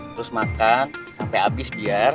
terus makan sampe abis biar